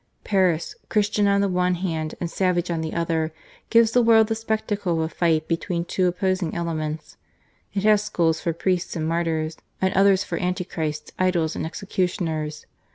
Paris, Christian on the one hand and savage on the other, gives the world the spectacle of a fight between two opposing elements. It has schools for priests and martyrs, and others for anti christs, idols, and execu tioners.